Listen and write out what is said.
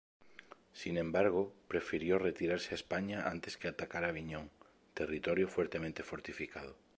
Sin embargo, prefirió retirarse a España antes que atacar Avignon, territorio fuertemente fortificado.